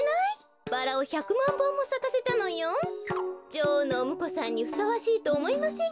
女王のおむこさんにふさわしいとおもいません